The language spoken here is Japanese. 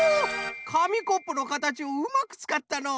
かみコップのかたちをうまくつかったのう。